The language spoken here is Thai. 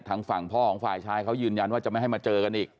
ทางฝั่งพ่อของฝ่ายชายเขายืนยันว่าจะไม่ให้มาเจอกันอีก